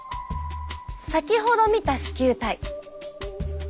先ほど見た糸球体。